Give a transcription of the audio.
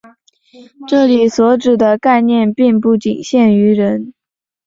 这里所指的概念并不仅限于人。